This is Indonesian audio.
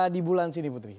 di bulan sini putri